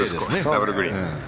ダブルグリーン。